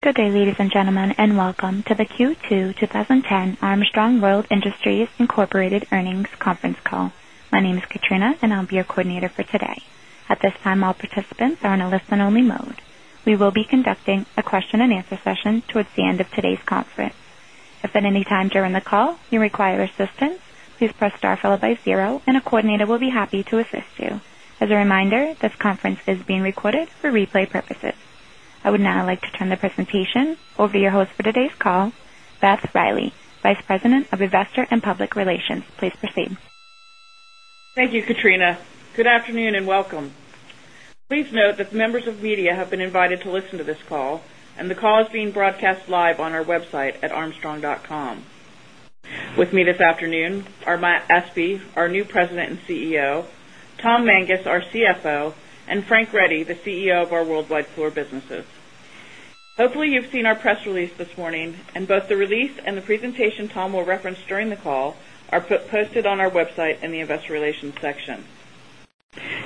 Good day, ladies and gentlemen, and welcome to the Q2 twenty ten Armstrong World Incorporated Earnings Conference Call. My name is Katrina, and I'll be your coordinator for today. At this time, all participants are in a listen only mode. We will be conducting a question and answer session towards the end of today's conference. As a reminder, this conference is being recorded for replay purposes. I would now like to turn the presentation over to your host for today's call, Beth Riley, Vice President of Investor and Public Relations. Please proceed. Thank you, Katrina. Good afternoon and welcome. Please note that members of media have been invited to listen to this call and the call is being broadcast live on our website at armstrong.com. With me this afternoon are Matt Asby, our new President and CEO Tom Mangus, our CFO and Frank Reddy, the CEO of our worldwide floor businesses. Hopefully, you've seen our press release this morning and both the release and the presentation Tom will reference during the call are posted on our website in the Investor Relations section.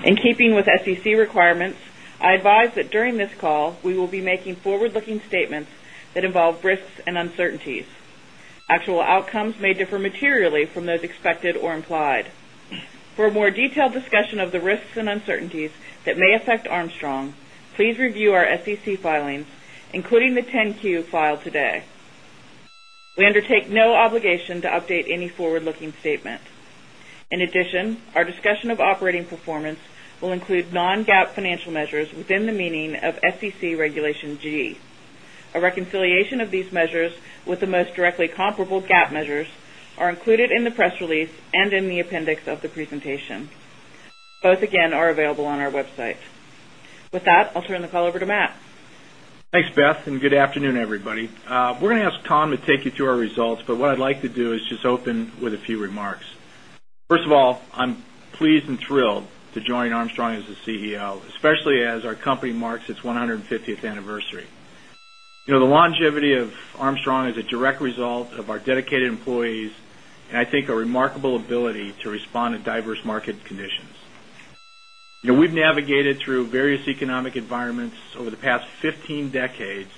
In keeping with SEC requirements, I advise that during this call, we will be making forward looking statements that involve risks and uncertainties. Actual outcomes may differ materially from those expected or implied. For a more detailed discussion of the risks and uncertainties that may affect Armstrong, please review our SEC filings, including the 10 Q filed today. We undertake no obligation to update any forward looking statement. In addition, our discussion of operating performance will include non GAAP financial measures within the meaning of SEC Regulation G. A reconciliation of these measures with the most directly comparable GAAP measures are included in the press release and in the appendix of the presentation. Both again are available on our website. With that, I'll turn the call over to Matt. Thanks, Beth, and good afternoon, everybody. We're going to ask Con to take you through our results, but what I'd like to do is just open with a few remarks. First of all, I'm pleased and thrilled to join Armstrong as the CEO, especially as our company marks its one hundred and fiftieth anniversary. The longevity of Armstrong is a direct result of our dedicated employees and I think a remarkable ability to respond to diverse market conditions. We've navigated through various economic environments over the past fifteen decades,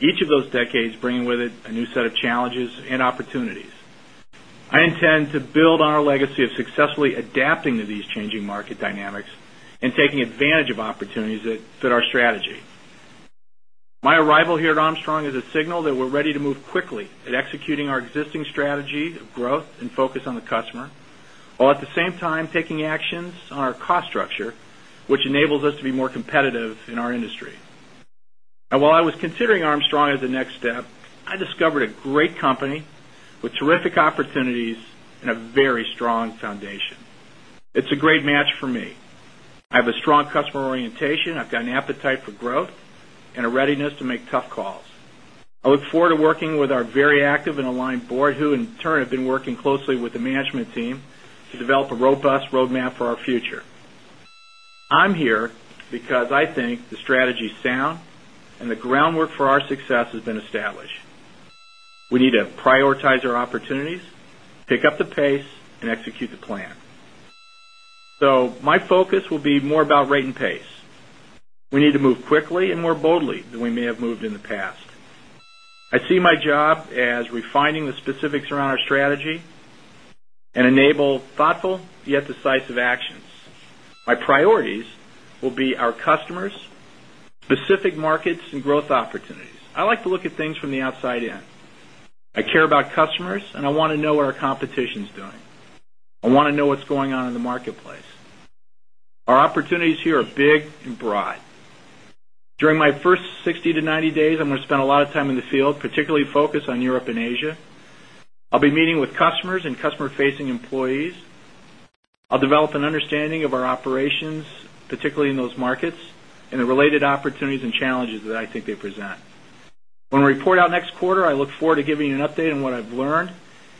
each of those decades bringing with it a new set of challenges and opportunities. I intend to build on our legacy of successfully adapting to these changing market dynamics and taking advantage of opportunities that fit our strategy. My arrival here at Armstrong is a signal that we're ready to move quickly at executing our existing strategy focus on the customer, while at the same time taking actions on our cost structure, which enables us to be more competitive in our industry. And while I was considering Armstrong as the next step, I discovered a great company with terrific opportunities and a very strong foundation. It's a great match for me. I have a strong customer orientation. I've got an appetite for growth and a readiness to make tough calls. I look forward to working with our very active and aligned Board, who in turn have been working closely with We need We need to prioritize our opportunities, pick up the pace and execute the plan. So my focus will be more about rate and pace. We need to move quickly and more boldly than we may have moved in the past. I see my job as refining the specifics around our strategy and enable thoughtful yet decisive actions. My priorities will be our customers, specific markets and growth opportunities. I like to look at things from the outside in. I care about customers and I want to know where our competition is doing. I want to know what's going on in the marketplace. Our opportunities here are big and broad. During my first sixty to ninety days, I'm going to spend a lot of time in the field, particularly focused on Europe and Asia. I'll be meeting with customers and customer facing employees. I'll develop an understanding of our operations, particularly in those markets and the related opportunities and challenges that I think they present. When we report out next quarter, I look forward to giving you an update on what I've learned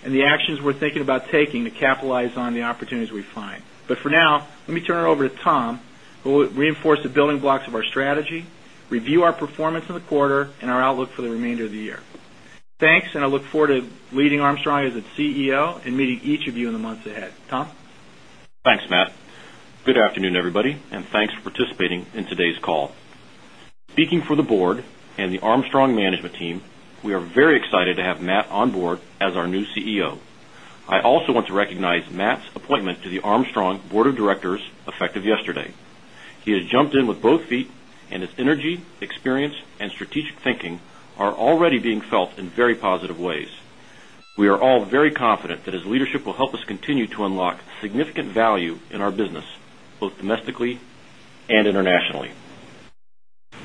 and the actions we're thinking about taking to capitalize on the opportunities we find. But for now, let me turn it over to Tom, who will reinforce the building blocks of our strategy, review our performance in the quarter and our outlook for the remainder of the year. Thanks, and I look forward to leading Armstrong as its CEO and meeting each of you in the months ahead. Tom? Thanks, Matt. Good afternoon, everybody, and thanks for participating in today's call. Speaking for the Board and the Armstrong management team, we are very excited to have Matt on board as our new CEO. I also want to recognize Matt's appointment to the Armstrong Board of Directors effective yesterday. He has jumped experience and strategic thinking are already being felt in very positive ways. We are all very confident that his leadership will help us continue to unlock significant value in our business, both domestically and internationally.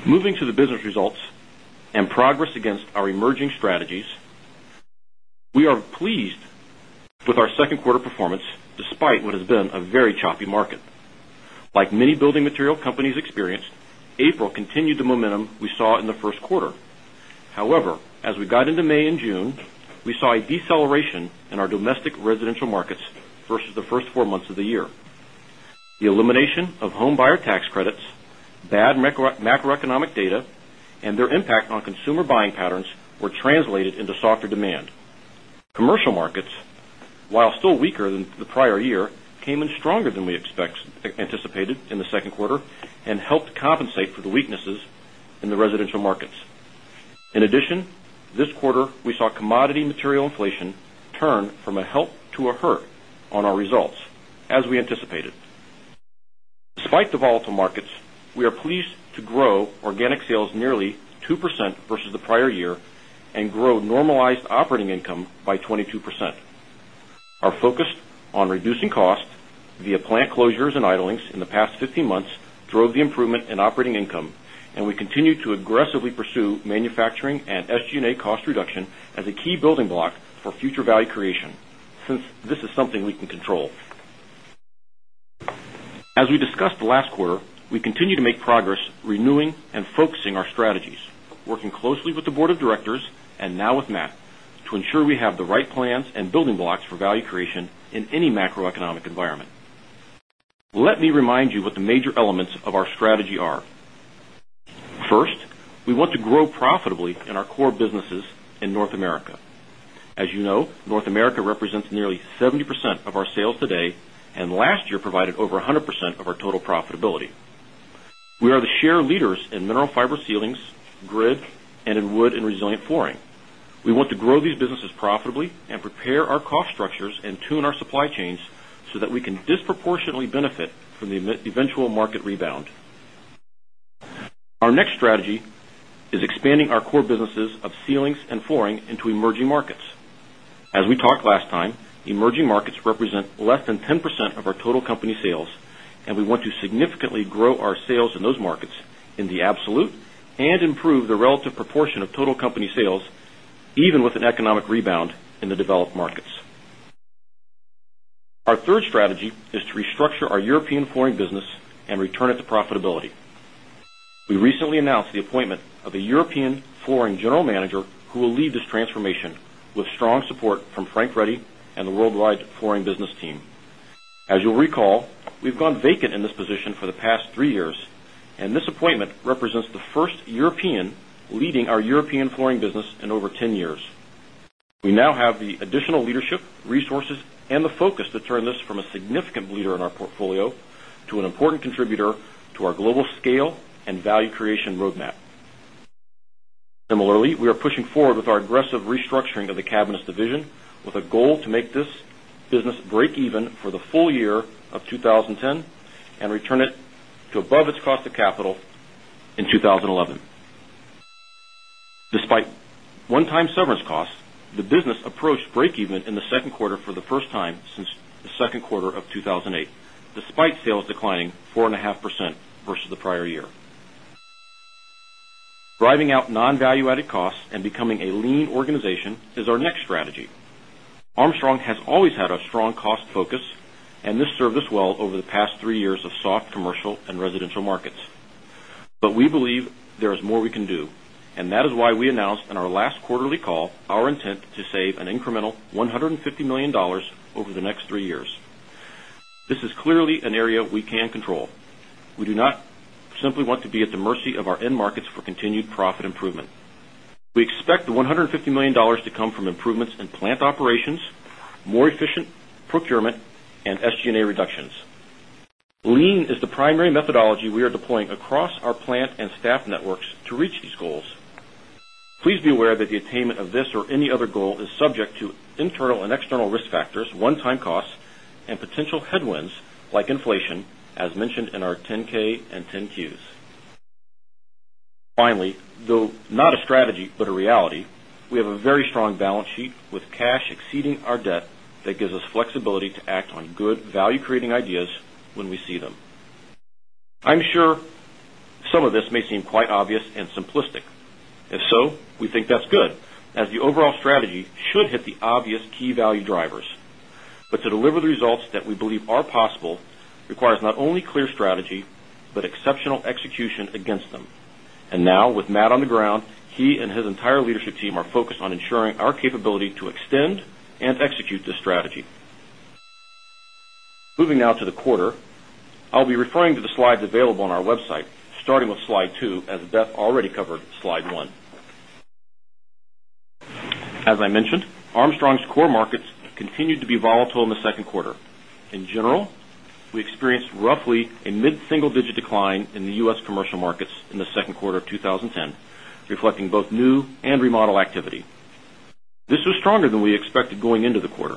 Moving to the business results and market. Like many building material companies experienced, April continued the momentum we saw in the first quarter. However, as we got into May and June, we saw a deceleration in our domestic residential markets versus the first four months of the year. The The elimination of homebuyer tax credits, bad macroeconomic data and their impact on consumer buying patterns were translated into softer demand. Commercial markets, while still weaker than the prior year, came in stronger than we expected in the second quarter and helped compensate for the weaknesses in the residential markets. In addition, this quarter we saw commodity material inflation turn from a help to a hurt on our results as we anticipated. The volatile markets, we are pleased to grow organic sales nearly 2% versus the prior year and grow normalized operating income by 22%. Our focus on reducing costs via plant closures and idlings in the past fifteen months drove the improvement in operating income and we continue to aggressively pursue manufacturing and SG and A cost reduction as a key building block for future value creation since this is something we can control. As we discussed last quarter, we continue to make progress renewing and focusing our strategies, working closely with the Board of Directors and now with Matt to ensure we have the right plans and building blocks for value creation in any macroeconomic environment. Let me remind you what the major elements of our strategy are. First, we want to grow profitably in our core businesses in North America. As you know, North America represents nearly 70% of our sales today and last year provided over 100% of our total profitability. We are the share leaders in mineral fiber ceilings, grid and in wood and resilient flooring. We want to grow these businesses profitably and prepare our cost structures and tune our supply chains so that we can disproportionately represent less than 10% of our total company sales and we want to markets represent less than 10% of our total company sales and we want to significantly grow our sales in those markets in the absolute and improve the relative proportion of total company sales even with an economic rebound in the developed markets. Our third strategy is to restructure our European flooring business and return it to profitability. We recently announced the appointment of a European flooring general manager who will lead this transformation with strong support from Frank Reddy and the worldwide flooring business team. As you'll recall, we've gone vacant in this position for the past three years and this appointment represents the first European leading our European flooring business in over ten years. We now have the additional leadership, resources and the focus to turn this from a significant leader in our portfolio to an important contributor to our global scale and value creation roadmap. Similarly, we are pushing forward with our aggressive restructuring of the Cabinets division with a goal to make this business breakeven for the full year of 2010 and return it to above its cost of capital in 2011. Despite one time severance costs, the business approached breakeven in the second quarter for the first time since the February despite sales declining 4.5% versus the prior year. Driving out non value added costs and becoming a lean cost focus and this served us well over the past three years of soft commercial and residential markets. But we believe there is more we can do and that is why we announced in our last quarterly call our intent to save an incremental $150,000,000 over the next three years. This is clearly an area we can control. We do not simply want to be at the mercy of our end markets for continued profit improvement. We expect the $150,000,000 to come from improvements in plant operations, more efficient procurement and SG and A reductions. Lean is the primary methodology we are deploying across our plant and staff networks to reach these goals. Please be aware that the attainment of this or any other goal is subject to internal and external risk factors, one time costs and potential headwinds like inflation as mentioned in our 10 K and 10 Qs. Finally, though not a a strategy, but a reality, we have a very strong balance sheet with cash exceeding our debt that gives us flexibility to act on good value creating ideas when we see them. I'm sure some of this may seem quite obvious and simplistic. If so, so, we think that's good as the overall strategy should hit the obvious key value drivers. But to deliver the results that we believe are possible requires not only clear strategy, but exceptional execution against them. And now with Matt on the ground, he and his entire leadership team are focused on ensuring our capability to extend and execute this strategy. Moving now to the quarter, I'll be referring to the slides available on our website starting with Slide two as Beth already covered Slide one. As I mentioned, Armstrong's core markets continued to be volatile in the second quarter. In general, we experienced roughly a mid single digit decline in The U. S. Commercial markets in the second quarter of twenty ten, reflecting both new and remodel activity. This was stronger than we expected going into the quarter.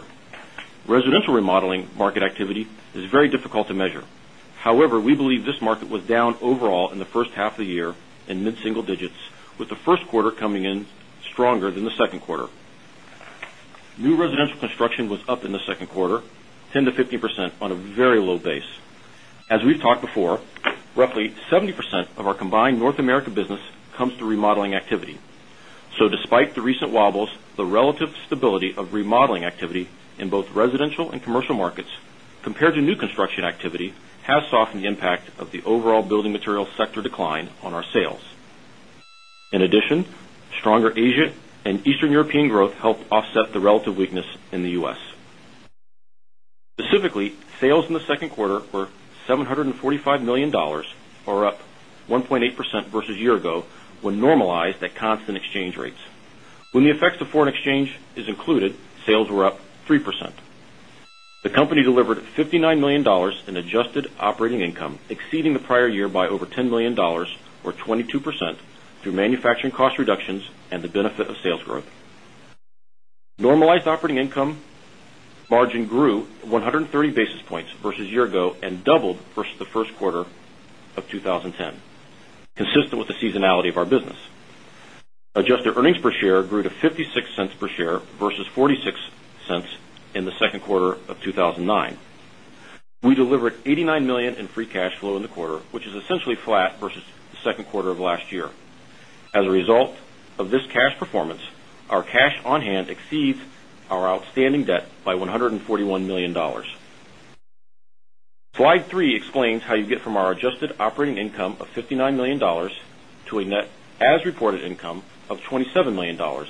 Residential remodeling market activity is very difficult to measure. However, we believe this market was down overall in the first half of the year in mid single digits with the first quarter coming in stronger than the second quarter. New residential construction was up in the second quarter '10 percent to 15% on a very low base. As we've talked before, roughly 70% of our combined North America business comes to remodeling activity. So despite the recent wobbles, the relative stability of remodeling activity in both residential and commercial markets compared to new construction activity has softened the impact of the overall building materials sector decline on our sales. In addition, stronger Asia and Eastern European growth helped offset the relative weakness in The U. S. Specifically, sales in the second quarter were $745,000,000 or up 1.8% versus a year ago when normalized at constant exchange rates. When the effects of foreign exchange is included, sales were up 3%. The company delivered $59,000,000 in adjusted operating income exceeding the prior year by over $10,000,000 or 22% through manufacturing cost reductions and the benefit of sales growth. Normalized operating income margin grew 130 basis points versus a year ago and doubled versus the first quarter of twenty ten, consistent with the seasonality of our business. Adjusted earnings per share grew to $0.56 per share versus $0.46 in the February. We delivered $89,000,000 in free cash flow in the quarter, which is essentially flat versus the second quarter of last year. As a result of this cash performance, our cash on hand exceeds our outstanding debt by $141,000,000 Slide three explains how you get from our adjusted operating income of $59,000,000 to a net as reported income of $27,000,000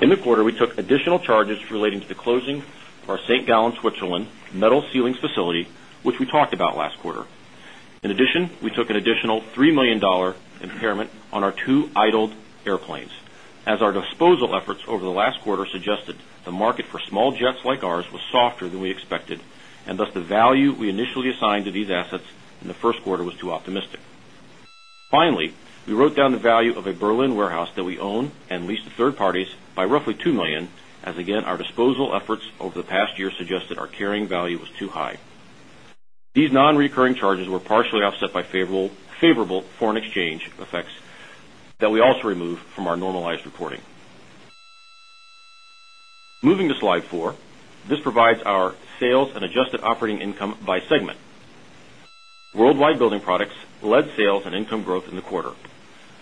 In the quarter, we took additional charges relating to the closing of our St. Gallen, Switzerland metal ceilings facility, which we talked about last quarter. In addition, we took $3,000,000 impairment on our two idled airplanes. As our disposal efforts over the last quarter suggested, the market for small jets like ours was softer than we expected and thus the value we initially assigned to these assets in the first quarter was too optimistic. Finally, we wrote down the value of a Berlin warehouse that we own and lease to third parties by roughly 2,000,000 as again our disposal efforts over the past year suggested our carrying value was too high. These non recurring Worldwide Building Products led sales and income growth in the quarter. Worldwide Building Products led sales and income growth in the quarter.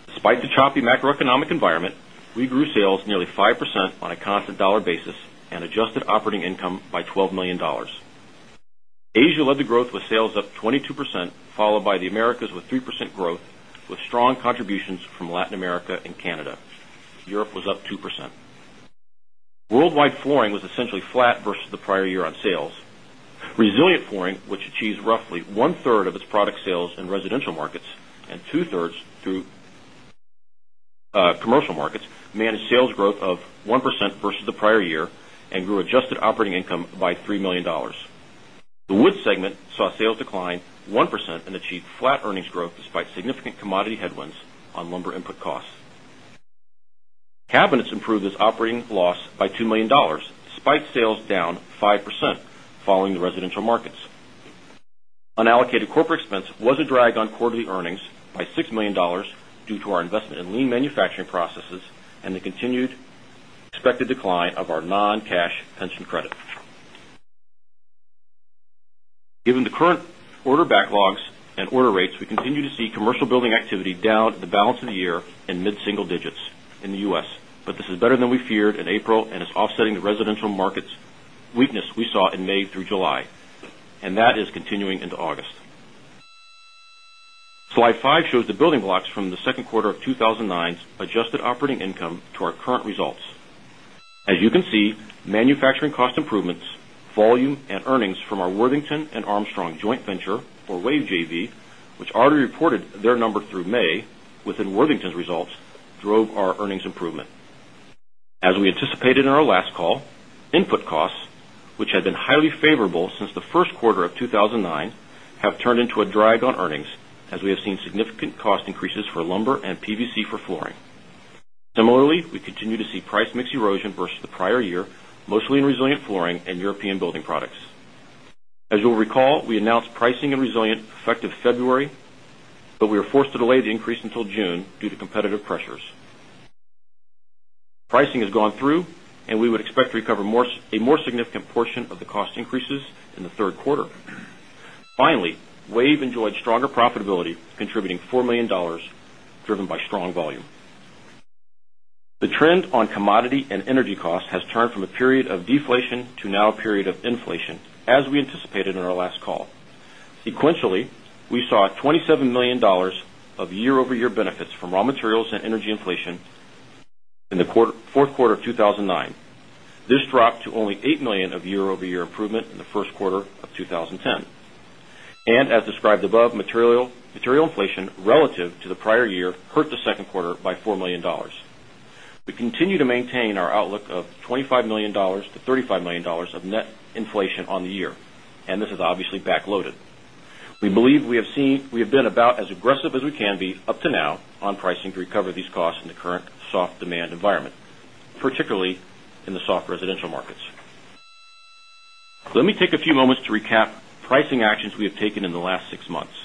Despite the choppy macroeconomic environment, we grew sales nearly 5% on a constant dollar basis and adjusted operating income by $12,000,000 Asia led the growth with sales up 22% followed by The Americas with 3% growth with strong contributions from Latin America and Canada. Europe was up 2%. Worldwide flooring was essentially flat versus the prior year on sales. Resilient Flooring, which achieved roughly one third of its product sales in residential markets and two thirds through commercial markets, managed sales growth of 1% versus the prior year and grew adjusted operating income by $3,000,000 The Woods segment saw sales decline 1% and achieved flat earnings growth despite significant commodity headwinds on lumber input costs. Cabinets improved its operating loss by $2,000,000 despite sales down 5% following the residential markets. Unallocated corporate expense was a drag on quarterly earnings by $6,000,000 due to our investment in lean manufacturing processes and the continued expected decline of our non cash pension credit. Given the current order backlogs and order rates, we continue to see commercial building activity down in the balance of the year in mid single digits in The U. S. But this is better than we feared in April and is offsetting the residential market's weakness we saw in May through July and that is continuing into August. Slide five shows the building blocks from the February adjusted operating income to our current results. As you can see, manufacturing cost improvements, volume and earnings from our Worthington and Armstrong joint venture or Wave JV, which already reported their number through May within Worthington's results, drove our earnings improvement. As we anticipated in our last call, input costs, which had been highly favorable since the first quarter of two thousand and nine, have turned into a drag on earnings as we have seen significant cost increases for lumber and PVC for flooring. Similarly, we continue to see price mix erosion versus the prior year mostly in Resilient Flooring and European Building Products. As you'll recall, we announced pricing in Resilient effective February, but we are forced to delay the increase until June due to competitive pressures. Pricing has gone through and we would expect to recover a more significant portion of the cost increases in the third quarter. Finally, WAVE enjoyed stronger profitability contributing $4,000,000 driven by strong volume. The trend on commodity and energy costs has turned from a period of deflation to now a period of inflation as we anticipated in our last call. Sequentially, we saw $27,000,000 of year over year benefits from raw materials and energy inflation in the February. This dropped to only $8,000,000 of year over year improvement in the first quarter of twenty ten. And as described above, material inflation relative to the prior year hurt the second quarter by 4,000,000 million dollars We continue to maintain our outlook of $25,000,000 to $35,000,000 of net inflation on the year and this is obviously backloaded. We believe we have seen we have been about as aggressive as we can be up to now on pricing to recover these costs in the current soft demand environment, particularly in the soft residential markets. Let me take a few moments to recap pricing actions we have taken in the last six months.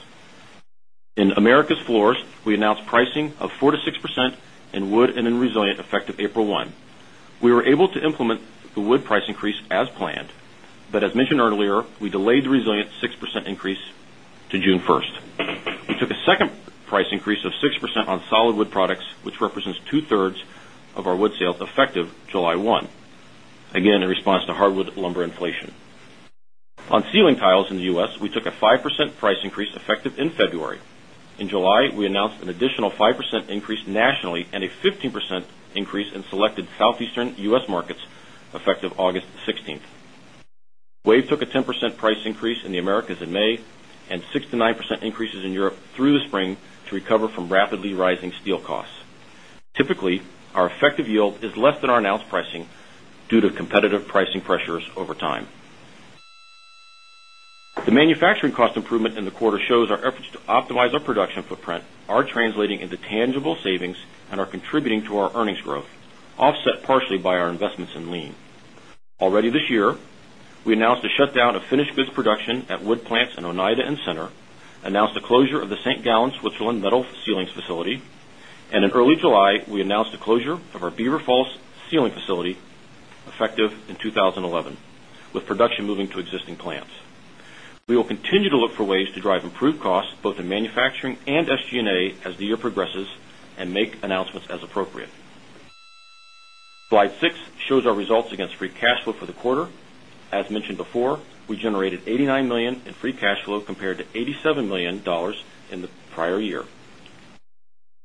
In Americas Floors, we announced pricing of 4% to 6% in wood and in resilient effective April 1. We were able to implement the wood price increase as planned, but as mentioned earlier, we delayed the resilient 6% increase to June 1. We took a second price increase of 6% on solid wood products, which represents two thirds of our wood sales effective July 1, again in response to hardwood lumber inflation. On ceiling tiles in The U. S, we took a 5% price increase effective in February. In July, we announced an additional 5% increase nationally and a 15% increase in selected Southeastern U. S. Markets effective August 16. WAVE took a 10 price increase in The Americas in May and 6% to 9% increases in Europe through the spring to recover from rapidly rising steel costs. Typically, our effective yield is less than our announced pricing due to competitive pricing pressures over time. The manufacturing cost improvement in the quarter shows our efforts to optimize our production footprint are translating into tangible savings and are contributing to our earnings growth, offset partially by our investments in lean. Already this year, we announced a shutdown of finished goods production at wood plants in Oneida and Center, announced the closure of the St. Gallen Switzerland metal ceilings facility. And in early July, we announced the closure of our Beaver Falls ceiling facility effective in 2011 with production moving to existing plants. We will continue to look for ways to drive improved costs both in manufacturing and SG and A as the year progresses and make announcements as appropriate. Slide six shows our results against free cash flow for the quarter. As mentioned before, we generated $89,000,000 in free cash flow compared to $87,000,000 in the prior year.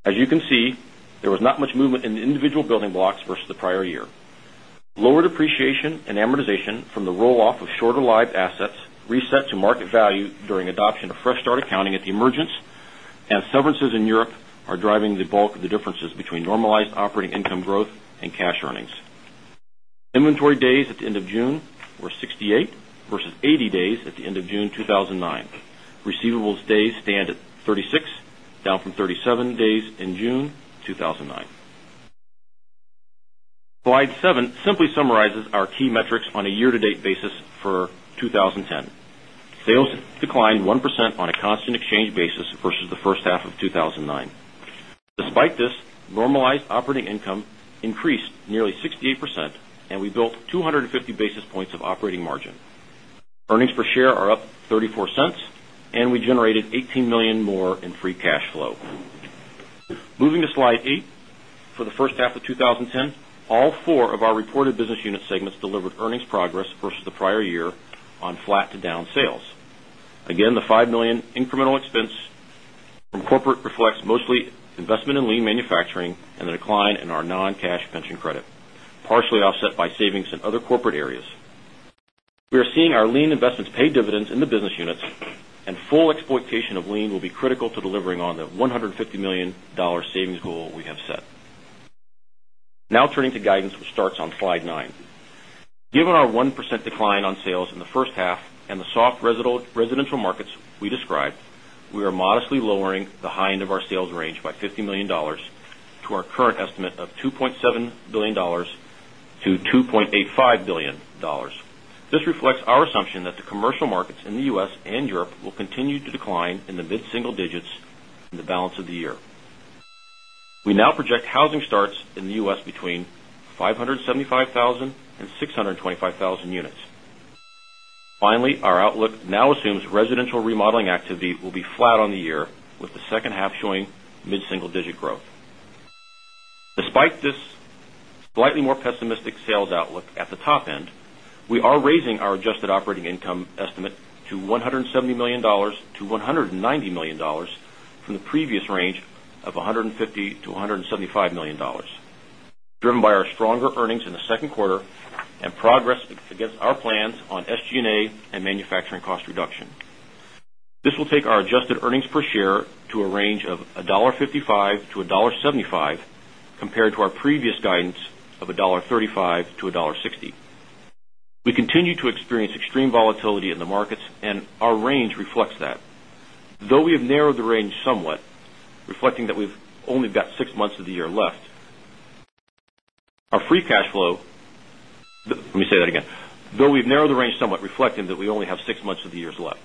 As you can see, there was not much movement in the individual building blocks versus the prior year. Lower depreciation and amortization from the roll off of shorter live assets reset to market value during adoption of fresh start accounting at the emergence and severances in Europe are driving the bulk of the differences between normalized operating income growth and cash earnings. Inventory days at the June were sixty eight versus eighty days at the June 2009. Receivables days stand at thirty six, down from thirty seven days in June 2009. Slide seven simply summarizes our key metrics on a year to date basis for 2010. Sales declined 1% on a constant exchange basis versus the February. Despite this, normalized operating income increased nearly 68% and we built two fifty basis points of operating margin. Earnings per share are up $0.34 and we generated $18,000,000 more in free cash flow. Moving to Slide eight. For the first half of twenty ten, all four of our reported business unit segments delivered earnings progress versus the prior year on flat to down sales. Again, the $5,000,000 incremental expense from corporate reflects mostly investment in lean manufacturing and the decline in our non cash pension credit, partially offset by savings in other corporate areas. We are seeing our lien investments pay dividends in the business units and full exploitation of lien will be critical to delivering on the $150,000,000 savings goal we have set. Now turning to guidance, which starts on slide nine. Given our 1% decline on sales in the first half and the soft residential markets we described, we are modestly lowering the high end of our sales range by $50,000,000 to our current estimate of $2,700,000,000 to $2,850,000,000 This reflects our assumption that the commercial markets in The U. S. And Europe will continue to decline in the mid single digits in the balance of the year. We now project housing starts in The U. S. Between 1,200,000 units. Finally, our outlook now assumes residential remodeling activity will be flat on the year with the second half showing mid single digit growth. Despite this slightly more pessimistic sales outlook at the top end, we are raising our adjusted operating income estimate to $170,000,000 to $190,000,000 from the previous range of $150,000,000 to $175,000,000 driven by our stronger earnings in the second quarter and progress against our plans on SG and A and manufacturing cost reduction. This will take our adjusted earnings per share to a range of $1.55 to $1.75 compared to our previous guidance of $1.35 to $1.6 We continue to experience extreme volatility in the markets and our range reflects that. Though we have narrowed the range somewhat, reflecting that we've only got six months of the year left, Our free cash flow let me say that again. Though we've narrowed the range somewhat reflecting that we only have six months of the years left.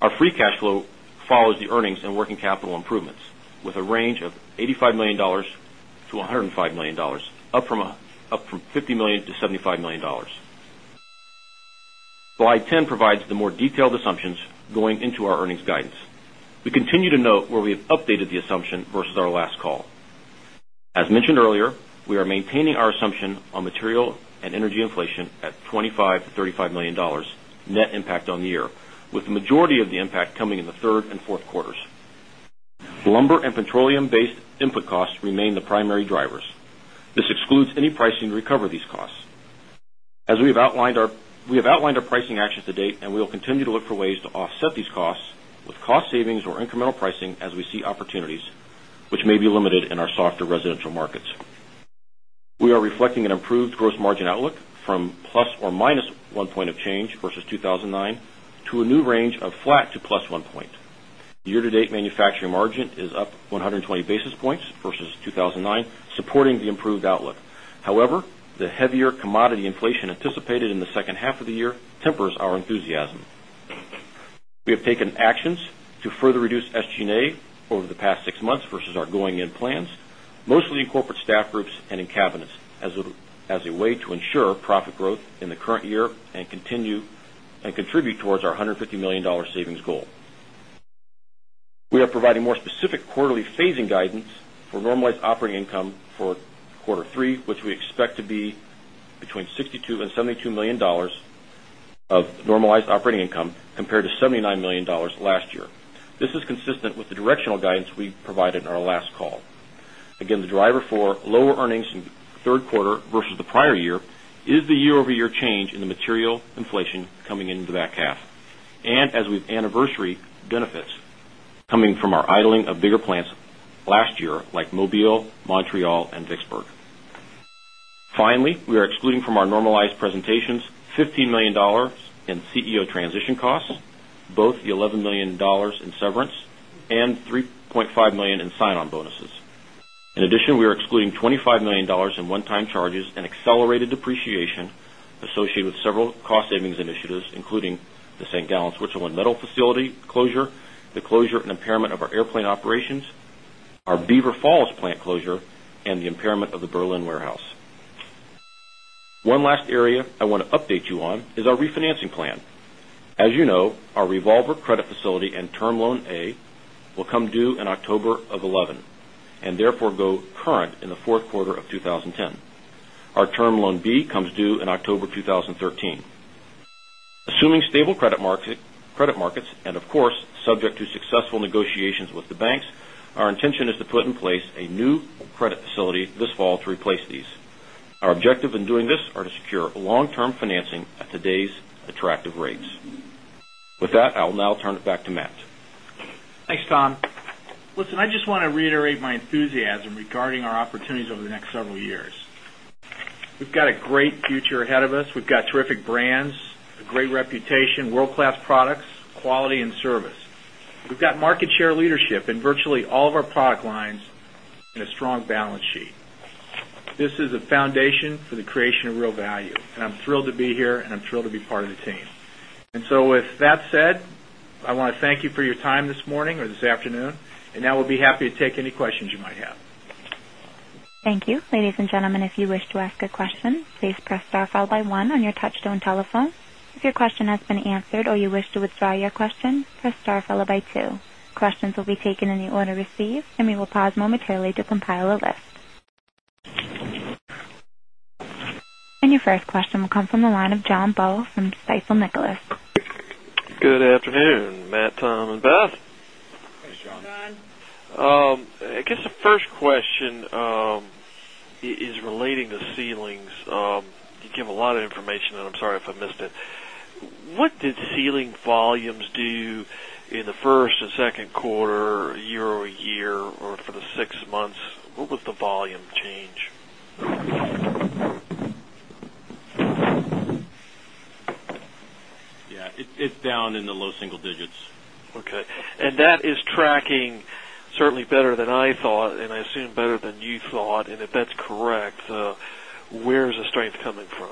Our free cash flow follows the earnings and working capital improvements with a range of $85,000,000 to $105,000,000 up from $50,000,000 to $75,000,000 Slide 10 provides the more detailed assumptions going into our earnings guidance. We continue to note where we have updated the assumption versus our last call. As mentioned earlier, we are maintaining our assumption on material and energy inflation at $25,000,000 to $35,000,000 net impact on the year with the majority of the impact coming in the third fourth quarters. Lumber and petroleum based input costs remain the primary drivers. This excludes any pricing to recover these costs. As we have outlined our pricing actions to date and we will continue to look for ways to offset these costs with cost savings or incremental pricing as we see opportunities, which may be limited in our softer residential markets. We are reflecting an improved gross margin outlook from plus or minus one point of change versus 02/2009 to a new range of flat to plus one point. Year to date manufacturing margin is up 120 basis points versus 02/2009 supporting the improved outlook. However, the heavier commodity inflation anticipated in the second half of the year tempers our enthusiasm. We have taken actions to further reduce SG and A over the past six months versus our going in plans, mostly in corporate staff groups and in cabinets as a way to ensure profit growth in the current year and continue and contribute towards our 150,000,000 savings goal. We are providing more specific quarterly phasing guidance for normalized operating income for quarter three, which we expect to be between $62,000,000 and $72,000,000 of normalized operating income compared to $79,000,000 last year. This is consistent with the directional guidance we provided on our last call. Again, the driver for lower earnings in the third quarter versus the prior year is the year over year change in the material inflation into the back half and as we anniversary benefits coming from our idling of bigger plants last year like Mobile, Montreal and Vicksburg. Finally, we are excluding from our normalized presentations $15,000,000 in CEO transition costs, both the $11,000,000 in severance and $3,500,000 in sign on bonuses. In addition, we are excluding $25,000,000 in one time charges and accelerated depreciation with several cost savings initiatives, including the St. Gallen's Switzerland Metal Facility closure, the closure and impairment of our airplane operations, our Beaver Falls plant closure and the impairment of the Berlin warehouse. One last area I want to update you on is our refinancing plan. As you know, our revolver credit facility and term loan A will come due in October of twenty eleven and therefore go current in the fourth quarter of twenty ten. Our term loan B comes due in October 2013. Assuming stable credit markets and of course subject to successful negotiations with the banks, our intention is to put in place a new credit facility this fall to replace these. Our objective in doing this are to secure long term financing at today's attractive rates. With that, I will now turn it back to Matt. Thanks, Tom. Listen, I just want to reiterate my enthusiasm regarding our opportunities over the next several years. We've got a great future ahead of us. We've got terrific brands, a great reputation, world class products, quality and service. We've got market share leadership in virtually all of our product lines and a strong balance sheet. This is a foundation for the creation of real value and I'm thrilled to be here and I'm thrilled to be part of the team. And so with that said, I want to thank you for your time this morning or this afternoon and now we'll be happy to take any questions you might have. And your first question will come from the line of John Bowe from Stifel Nicholas. Good afternoon, Matt, Tom and Beth. Thanks, John. Good afternoon. I guess the first question is relating to ceilings. You gave a lot of information and I'm sorry if I missed it. What did ceiling volumes do in the first and second quarter year over year or for the six months? Certainly better than I thought and I assume better than you thought. And if that's correct, where is the strength coming from?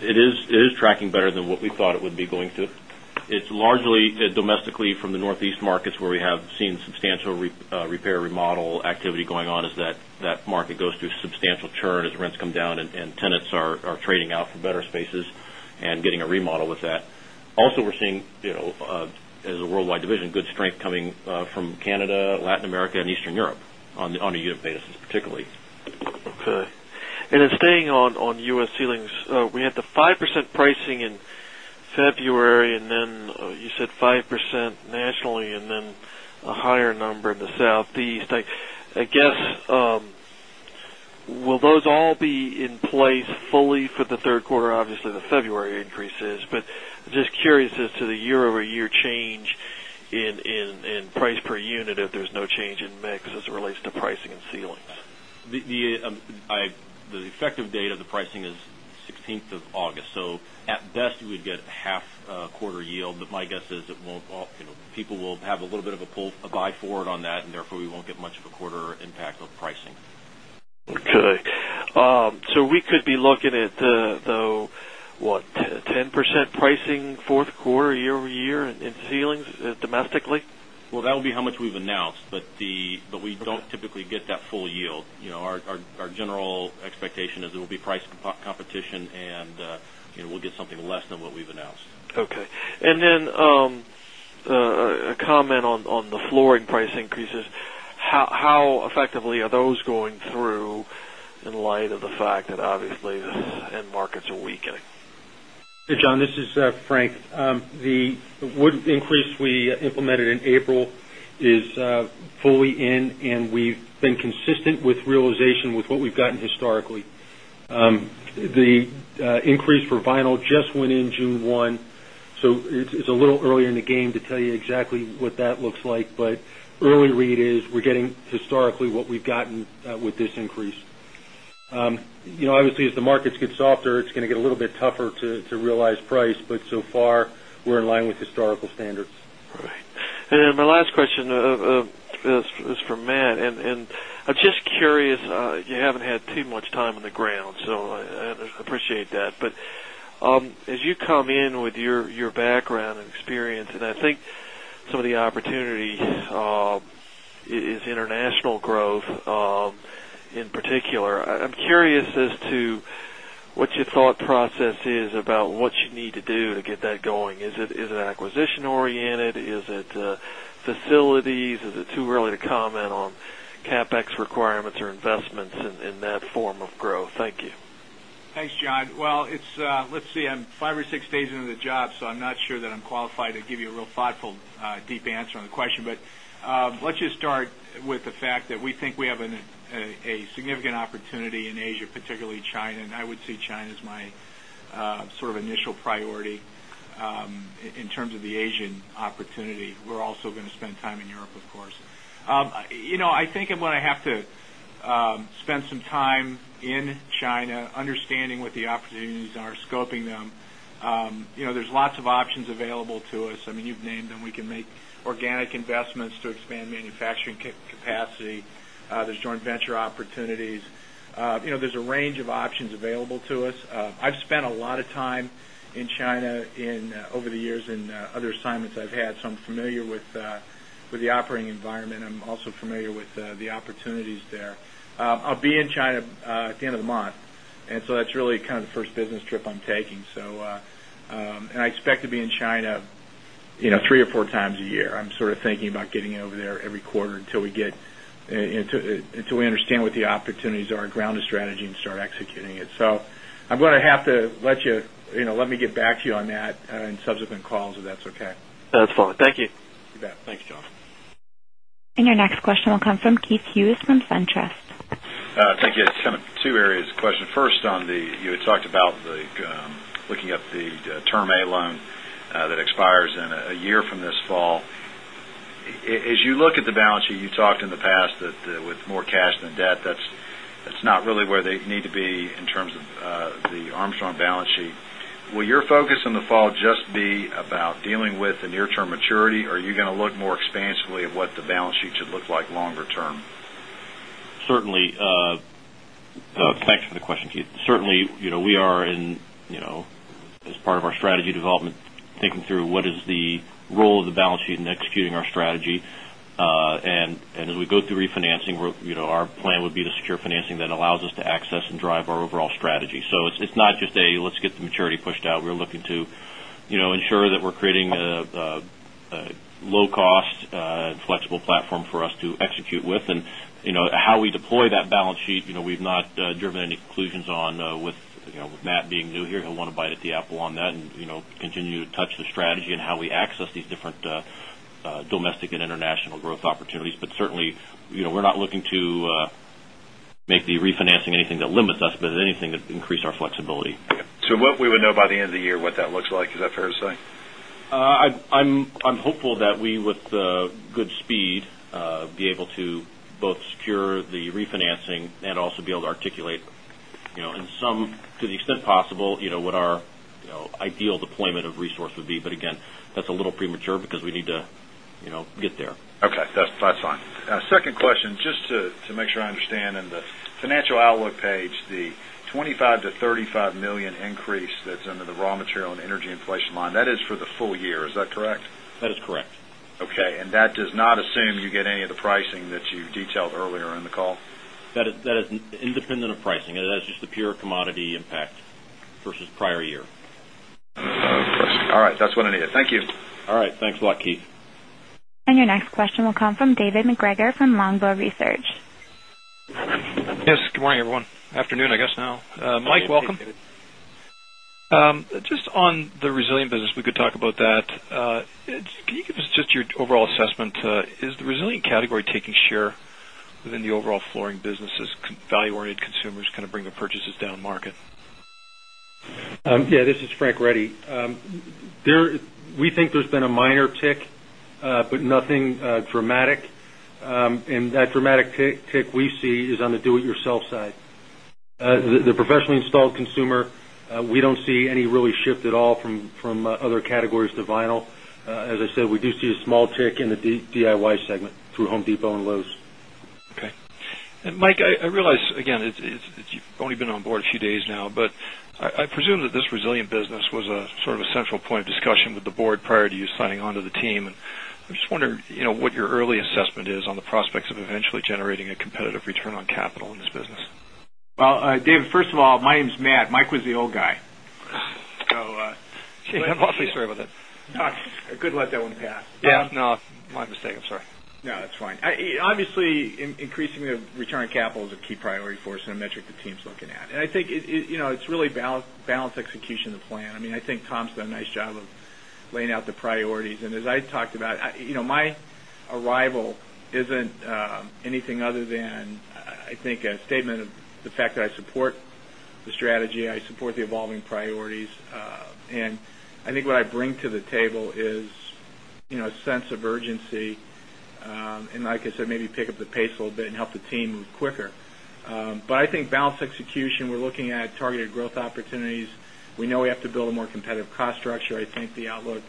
It is tracking better than what we thought it would be going to. It's largely, domestically, from the Northeast markets where we have seen substantial repair, remodel activity going on as that market goes through substantial churn as rents come down and tenants are trading out for better spaces and getting a remodel with that. Also we're seeing as a worldwide division good strength coming from Canada, Latin America and Eastern Europe on a unit basis particularly. Okay. And then staying on U. S. Ceilings, we had the 5% pricing in February and then you said 5% nationally and then a higher number in the Southeast. I guess will those all be in place fully for the third quarter obviously the February increases, but just curious as to the year over year change in price per unit if there's no change in mix as it relates to pricing and ceilings? The effective date of the pricing is August 16. So at best we'd get half quarter yield. But my guess is it won't people will have a little bit of a pull a buy forward on that and therefore we won't get much of a quarter impact of pricing. Okay. So we could be looking at though what 10% pricing fourth quarter year over over year in ceilings domestically? Well, that will be how much we've announced, but we don't typically get that full yield. Our general expectation is it will be price competition and we'll get something less than what we've announced. Okay. And then a comment on the flooring price increases. How effectively are those going through in light of the fact that obviously the end markets are weakening? Hey, John, this is Frank. The wood increase we implemented in April is fully in and we've been consistent with realization with what we've gotten historically. The increase for Vinyl just went in June 1. So it's a little early in the game to you exactly what that looks like. But early read is we're getting historically what we've gotten with this increase. Obviously, as the markets get softer, it's going to get a little bit tougher to realize price. But so far, we're in line with historical standards. All right. And then my last question is for Matt. And I'm just curious, you haven't had too much time in the ground, so I appreciate that. But as you come in with your background and experience and I think some of the opportunities is international growth in particular. I'm curious as to what your thought process is about what you need to do to get that going? Is it acquisition oriented? Is it facilities? Is it too early to comment on CapEx requirements or investments in that form of growth? Thank you. Thanks, John. Well, it's let's see, I'm five or six days into the job, so I'm not sure that I'm qualified to give you a real thoughtful deep answer on the question. But let's just start with the fact that we think we have a significant opportunity in Asia, particularly China. And I would see China as my sort of initial priority in terms of the Asian opportunity. We're also going to spend time in Europe of course. I think when I have to spend some time in China understanding what the opportunities are scoping them, there's lots of options available to us. I mean you've named that we can make organic investments to expand manufacturing capacity. There's joint venture opportunities. There's a range of options available to us. I've spent a lot of time in China in over the years in other assignments I've had. So I'm familiar with the operating environment. I'm also familiar with the opportunities there. I'll be in China at the end of the month. And so that's really kind of the first business trip I'm taking. So and I expect to be in China Three or four times a year. I'm sort of thinking about getting over there every quarter until we get until we understand what the opportunities are, ground the strategy and start executing it. So I'm going to have to let you let me get back to you on that in subsequent calls, if that's okay. That's fine. Thank you. You bet. Thanks, John. And your next question will come from Keith Hughes from SunTrust. Thank you. It's kind of two areas. Question. First on the you had talked about the looking up the term A loan that expires in a year from this fall. As you look at the balance sheet, you talked in the past that with more cash than debt, that's not really where they need to be in terms of the Armstrong balance sheet. Will your focus in the fall just be about dealing with the near term maturity? Or are you going to look more expansively at what the balance sheet should look like longer term? Certainly. Thanks for the question, Keith. Certainly, we are in as part of our strategy development, taking through what is the role of the balance sheet in executing our strategy. And as we go through refinancing, our plan would be to secure financing that allows us access and drive our overall strategy. So it's not just a let's get the maturity pushed out. We're looking to ensure that we're creating a low cost flexible platform for us to execute with. And how we deploy that balance sheet, we've not driven any conclusions on with Matt being new here. He'll want to bite at the apple on that and continue to touch the strategy and how we access these different domestic and international growth opportunities. But certainly, we're not looking to make the refinancing anything that limits us, but anything that increase our flexibility. So what we would know by the end of the year, what that looks like? Is that fair to say? I'm hopeful that we with good speed be able to both secure the refinancing and also be able to articulate in some to the refinancing and also be able to articulate in some to the extent possible what our ideal deployment of resource would be. But again, that's a little premature because we need to get there. Okay. That's fine. Second question, just to make sure I understand in the financial outlook page, the $25,000,000 to $35,000,000 increase that's under the raw material and energy inflation line, that is for the full year. Is that correct? That is correct. Okay. And that does not assume you get any of the pricing that you detailed earlier in the call? That is independent of pricing. It has just the pure commodity impact versus prior year. All right. That's what I needed. Thank you. All right. Thanks a lot, Keith. And your next question will come from David MacGregor from Longbow Research. Yes. Good morning, everyone. Afternoon, I guess, now. Mike, welcome. Just on the resilient business, we could talk about that. Can you give us just your overall assessment? Is the resilient category taking share within the overall flooring business as value oriented consumers kind of bring the purchases down market? Yes. This is Frank Reddy. There we think there's been a minor tick, but nothing dramatic. And that dramatic tick we see is on the do it yourself side. The professionally installed consumer, we don't see any really shift at all from other categories to vinyl. As I said, we do see a small tick in the DIY segment through Home Depot and Lowe's. Okay. And Mike, I realize again, it's only been on board a few days now. But I presume that this resilient business was a sort of a central point discussion with the board prior to you signing on to the team. I'm just wondering what your early assessment is on the prospects of eventually generating a competitive return on capital in this business? Well, David, first of all, my name is Matt. Mike was the old guy. So I'm sorry about that. I could let that one pass. Yes. No, my mistake, I'm sorry. No, that's fine. Obviously, increasing the return on capital is a key priority for us and a metric the team is looking at. And I think it's really balanced execution of the plan. I mean, I think Tom's done a nice job of laying out the priorities. And as I talked about, my arrival isn't anything other than I think a statement of the fact that I support the strategy, I support the evolving priorities. And I think what I bring to the table is a sense of urgency. And like I said maybe pick up the pace a little bit and help the team move quicker. But I think balanced execution, we're looking at targeted growth opportunities. We know we have to build a more competitive cost structure. I think the outlook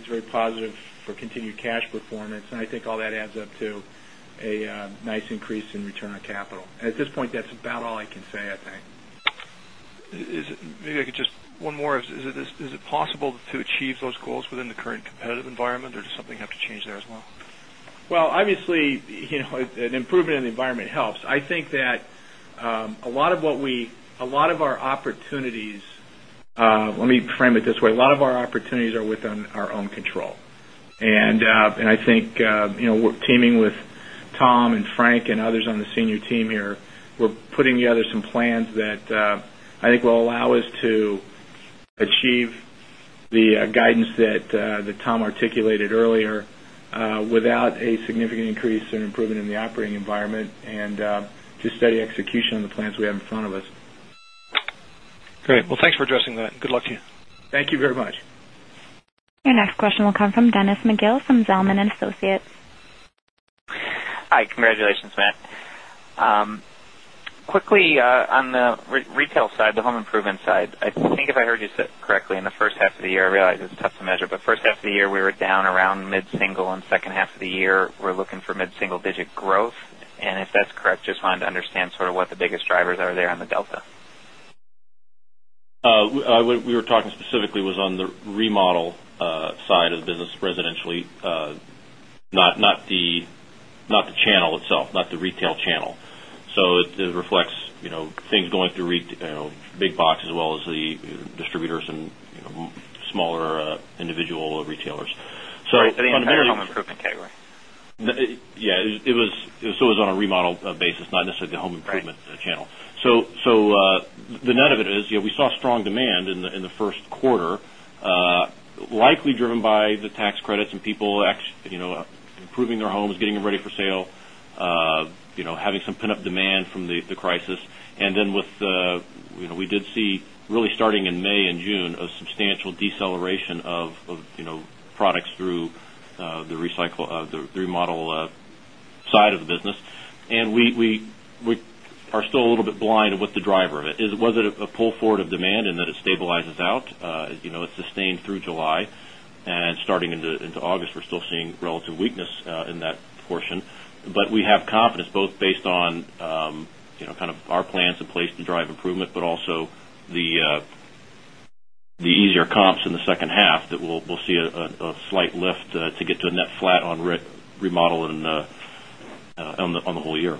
is very positive for continued cash performance. And I think all that adds up to a nice increase in return on capital. At this point, that's about all I can say, I think. Maybe I could just one more. Is it possible to achieve those goals within the current competitive environment or does something have to change there as well? Well, obviously, an improvement in the environment helps. I think that a lot of what we a lot of our opportunities let me frame it this way, a lot of our opportunities are within our own control. And I think we're teaming with Tom and Frank and others on the senior team here. We're putting together some plans that I think will allow us to achieve the guidance that Tom articulated earlier without a significant increase in improvement the operating environment and just steady execution on the plans we have in front of us. Great. Well, thanks for addressing that. Good luck to you. Thank you very much. Your next question will come from Dennis McGill from Zelman and Associates. Hi, congratulations, Matt. Quickly on the retail side, the home improvement side, I think if I heard you correctly in the first half of the year, I realize it's tough to measure, but first half of the year, we were down around mid single and second and if that's correct just wanted to understand sort of what the biggest drivers are there on the delta? We were talking specifically was on the remodel side of the business residentially, not the channel itself, not the retail channel. So it reflects things going through big box as well as the distributors and smaller individual retailers. So The competitive home improvement category? Yes. It was so it was on a remodel basis, not necessarily the home improvement channel. So the net of it is, we saw strong demand in the first quarter, likely driven by the tax credits and people improving their homes, getting them ready for sale, having some pent up demand from the crisis. And then with we did see really starting in May and June a substantial deceleration of products through the recycle the remodel side of the business. And we are still a little bit blind of what the driver of it is. Was it a pull forward of demand and that it stabilizes out? It's sustained through July and starting into August we're still seeing relative weakness in that portion. But we have confidence both based on kind of our plans in place to drive improvement, but also the easier comps in the second half that we'll see a slight lift to get to a net flat on remodel on the whole year.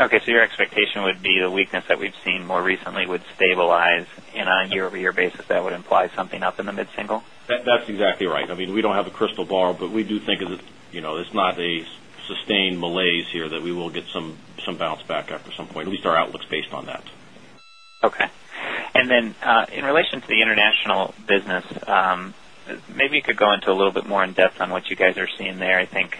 Okay. So your expectation would be the weakness that we've seen more recently would stabilize and on a year over year basis that would imply something up in the mid single? That's exactly right. I mean, we don't have a crystal ball, but we do think it's not a sustained malaise here that we will get some bounce back after some point. At least our outlook is based on that. Okay. And then in relation to the international business, maybe you could go into a little bit more in-depth on what you guys are seeing there. I think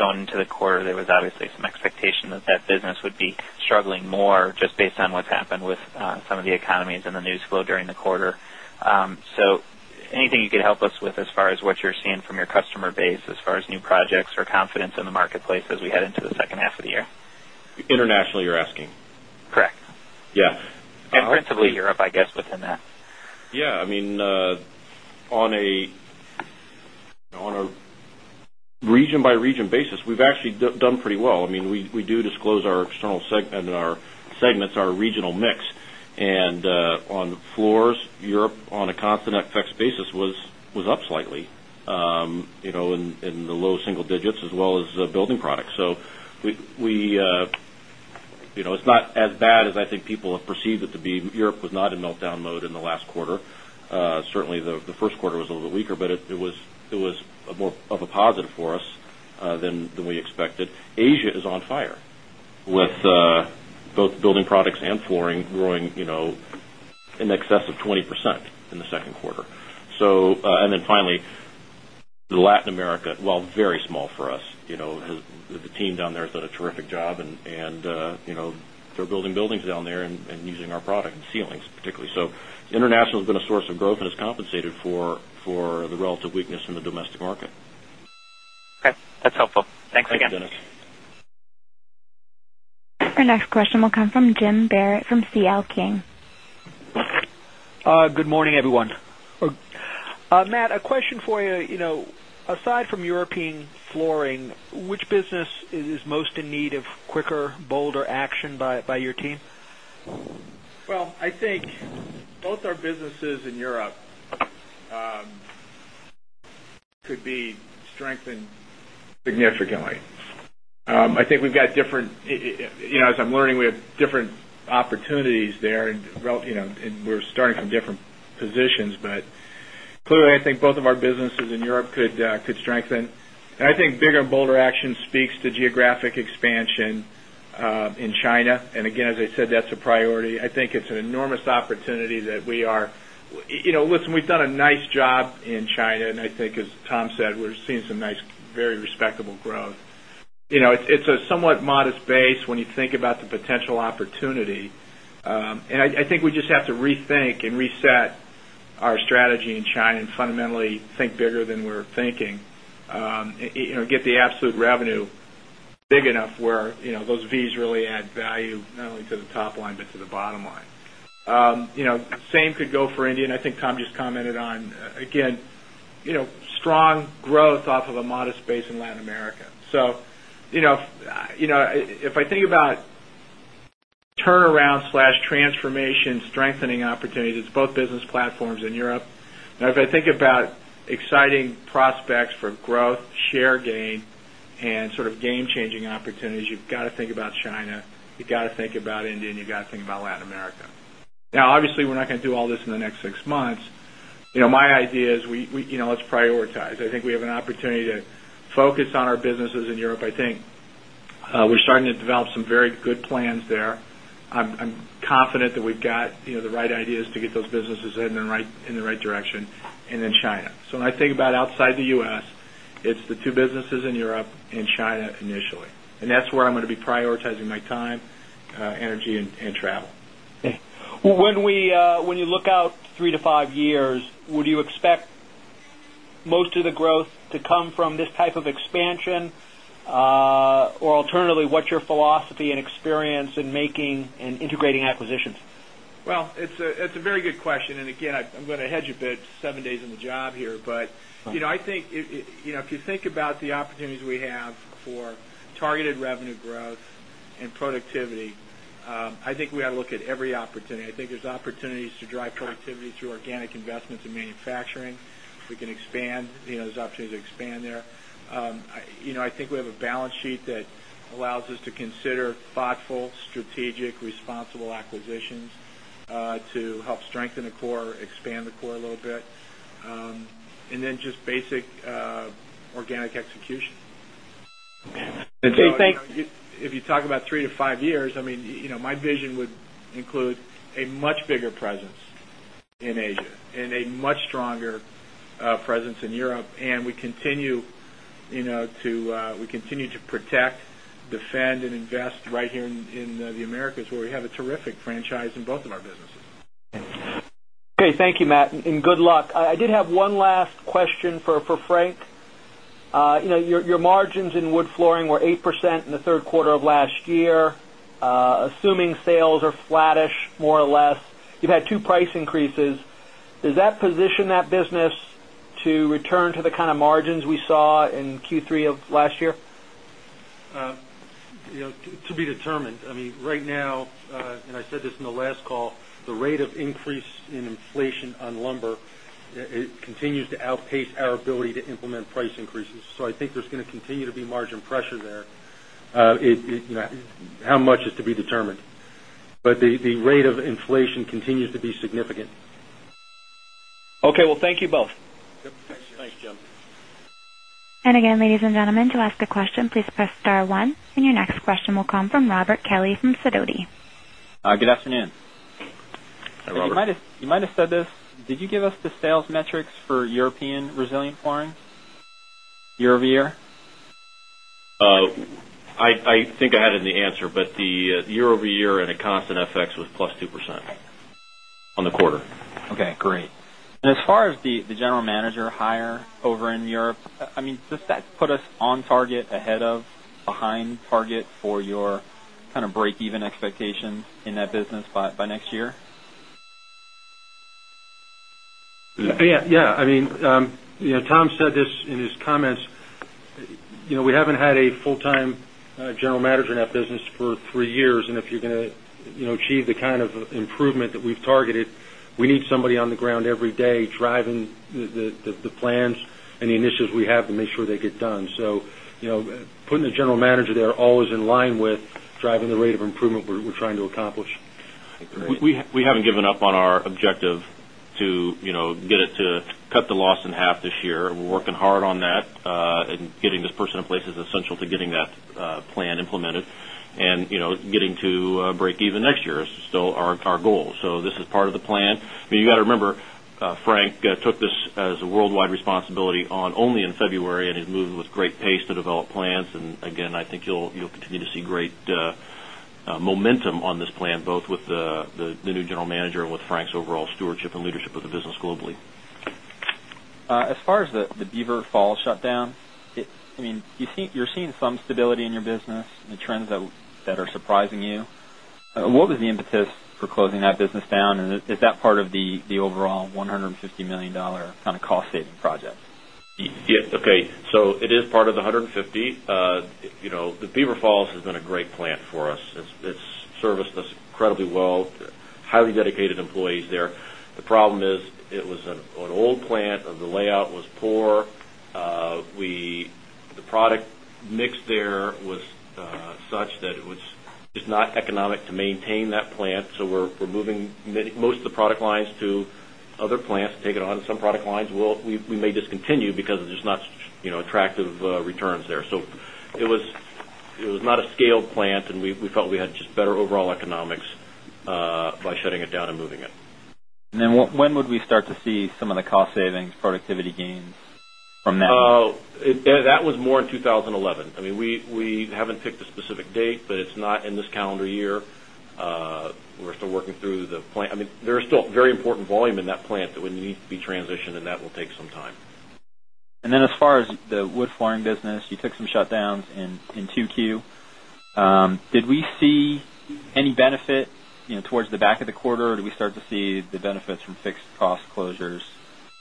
going into the quarter there was obviously some expectation that that business would be struggling more just based on what's happened with some of the economies and the news flow during the quarter. So anything you could help us with as far as what you're seeing from your customer base as far as new projects or confidence in the marketplace as we head into the second half of the year? Internationally, you're asking? Correct. Yes. And principally Europe, I guess, within that? Yes. I mean, on a region by region basis, we've actually done pretty well. I mean, we do disclose our external segment and our segments, our regional mix. And on floors, Europe on a constant FX basis was up slightly in the low single digits as well as building products. So we it's not as bad as I think people have perceived it to be. Europe was not in meltdown mode in the last quarter. Certainly, the first quarter was a little bit weaker, but it was more of a positive for us than we expected. Asia is on fire with both building products and flooring growing in excess of 20% in the second quarter. So and then finally, Latin America, while very small for us, the team down there has done a terrific job and they're building buildings down there and using our product and ceilings particularly. So international has been a source of growth and has compensated for the relative weakness in the domestic market. Okay. That's helpful. Thanks again. Our next question will come from Jim Barrett from C. L. King. Good morning, everyone. Matt, Aside from European flooring, which business is most in need of quicker, bolder action by your team? Well, I think both our businesses in Europe could be strengthened significantly. I think we've got different as I'm learning, we have different opportunities there and we're starting from different positions. But clearly, I think both of our businesses in Europe could strengthen. And I think bigger and bolder action speaks to geographic expansion in China. And again, as I said, that's a priority. I think it's an enormous opportunity that we are listen, we've done a nice job in China. And I think as Tom said, we're seeing some nice very respectable growth. It's a somewhat modest base when you think about the potential opportunity. And I think we just have to rethink and reset our strategy in China and fundamentally think bigger than we're thinking, get the absolute revenue big enough where those Versus really add value not only to the top line, but to the bottom line. Same could go for India and I think Tom just commented on again strong growth off of a modest base in Latin America. So if I think about turnaroundtransformation strengthening opportunities, it's both business platforms in Europe. Now if I think about exciting prospects for growth, share gain and sort of game changing opportunities, you've got to think about China, you've got to think about India and you've got to think about Latin America. Now obviously, we're not going to do all this in the next six months. My idea is we let's prioritize. I think we have an opportunity to focus on our businesses in Europe. I think we're starting to develop some very good plans there. I'm confident that we've got the right ideas to get those businesses in the right direction and in China. So when I think about outside The U. S, it's the two businesses in Europe and China initially. And that's where I'm going to be prioritizing my time, energy and travel. When we when you look out three to five years, would you expect most of the growth to come from this type of expansion? Or alternatively, what's your philosophy and experience in making and integrating acquisitions? Well, it's a very good question. And again, I'm going to hedge a bit seven days in the job here. But I think if you think about the opportunities we have for targeted revenue growth and productivity, I think we have to look at every opportunity. I think there's opportunities to drive productivity through organic investments in manufacturing. We can expand there's opportunities to expand there. I think we have a balance sheet that allows us to consider thoughtful, strategic, responsible acquisitions to help strengthen the core, expand the core a little bit. And then just basic organic execution. If you talk about three to five years, I mean, my vision would include a much bigger presence in Asia and a much stronger presence in Europe. And we continue to protect, defend and invest right here in The Americas where we have a terrific franchise in both of our businesses. Okay. Thank you, Matt, and good luck. I did have one last question for Frank. Your margins in Wood Flooring were 8% in the third quarter of last year. Assuming sales are flattish more or less, you've had two price increases. Does that position that business to return to the kind of margins we saw in Q3 of last year? To be determined, I mean, right now, and I said this in the last call, the rate of increase in inflation lumber continues to outpace our ability to implement price increases. So I think there's going to continue to be margin pressure there. How much is to be determined? But the rate of inflation continues to be significant. Okay. Well, thank you both. Thanks, Jim. And your next question will come from Robert Kelly from Sidoti. Good afternoon. Hi, Robert. You might have said this, did you give us the sales metrics for European resilient Florence year over year? I think I had it in the answer, but the year over year and a constant FX was plus 2% on the quarter. Okay, great. And as far as the general manager higher over in Europe, I mean, does that put us on target ahead of behind target for your kind of breakeven expectation in that business by next year? Yes. I mean, Tom said this in his comments. We haven't had a full time General Manager in that business for three years. And if you're going to achieve the kind of improvement that we've targeted, we need somebody on the ground every day driving the plans and the initiatives we have to make sure they get done. So putting the General Manager there always in line with driving the rate of improvement we're trying to accomplish. We haven't given up on our objective to get it to cut the loss in half this year. We're working hard on that and getting this person in place is essential to getting that plan implemented. And getting to breakeven next year is still our goal. So this is part of the plan. But you got to remember, Frank took this as a worldwide responsibility on only in February and he's moving with great pace to develop plans. And again, I think you'll continue to see great momentum on this plan, both with the new General Manager and with Frank's overall stewardship and leadership of the business globally. As far as the Beaver Falls shutdown, I mean, you're seeing some stability in your business and the trends that are surprising you. What was the impetus for closing that business down? And is that part of the overall $150,000,000 kind of cost saving project? Yes. Okay. So it is part of the $150,000,000 The Beaver Falls has been a great plant for us. It's serviced us incredibly well, highly dedicated employees there. The problem is it was an old plant and the layout was poor. We the product mix there was such that it was it's not economic to maintain that plant. So we're moving most of the product lines to other plants, take it on. Some product lines will we may discontinue because there's not attractive returns there. So it was not a scaled plant and we felt we had just better overall economics by shutting it down and moving it. And then when would we start to see some of the cost savings productivity gains from that? That was more in 2011. I mean, we haven't picked a specific date, but it's not in this calendar year. We're still working through the plant. I mean, there is still very important volume in that plant that would need to be transitioned and that will take some time. And then as far as the wood flooring business, you took some shutdowns in 2Q. Did we see any benefit towards the back of the quarter? Or do we start to see the benefits from fixed cost closures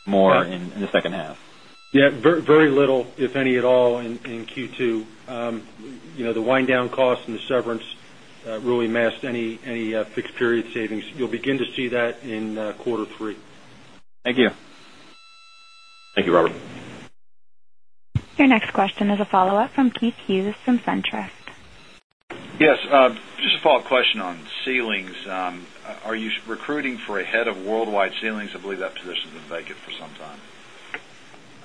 more in the second half? Yes. Very little, if any at all, in Q2. The wind down costs and the severance really masked any fixed period savings. You'll begin to see that in quarter three. Thank you. Thank you, Robert. Your next question is a follow-up from Keith Hughes from SunTrust. Yes. Just a follow-up question on ceilings. Are you recruiting for a head of worldwide ceilings? I believe that position is vacant for some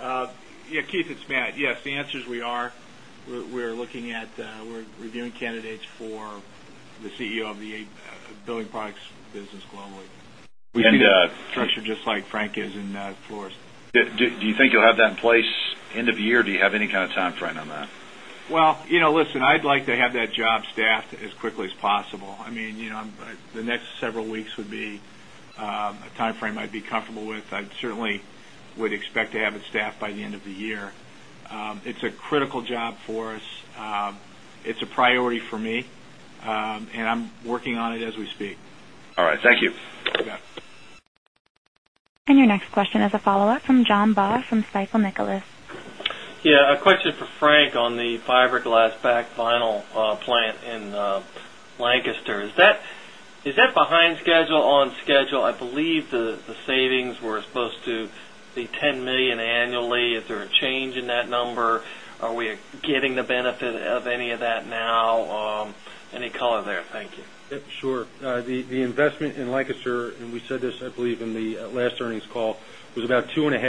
time. Yes, Keith, it's Matt. Yes, the answer is we are. We're looking at we're reviewing candidates for the CEO of the Building Products business globally. And do that. We have a structure just like Frank is in Florist. Do you think you'll have that in place end of the year? Do you have any kind of timeframe on that? Well, listen, I'd like to have that job staffed as quickly as possible. I mean, the next several weeks would be a timeframe I'd be comfortable with. I'd certainly would expect to have it staffed by the end of the year. It's a critical job for us. It's a priority for me and I'm working on it as we speak. All right. Thank you. And your next question is a follow-up from John Baugh from Stifel Nicholas. Yes. A question for Frank on the fiberglass back vinyl plant in Lancaster. Is that behind schedule? I believe the savings were supposed to be $10,000,000 annually. Is there a change in that number? Are we getting the benefit of any of that now? Any color there? Thank you. Sure. The investment in Lancaster and we said this I believe in the last earnings call was about two point